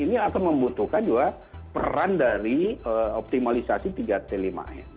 ini akan membutuhkan juga peran dari optimalisasi tiga t lima m